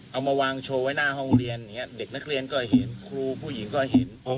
เอามาวางโชว์ไว้หน้าห้องเรียนอย่างนี้เด็กนักเรียนก็เห็นครูผู้หญิงก็เห็น